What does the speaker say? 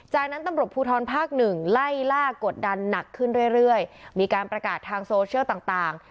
จากนั้นตำรวจภูทรภาคหนึ่งไล่ล่ากดดันหนักขึ้นเรื่อยเรื่อยมีการประกาศทางโซเชียลต่างต่าง